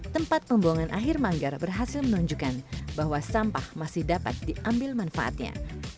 tempat pembuangan akhir manggar berhasil menunjukkan bahwa sampah masih dapat diambil manfaatnya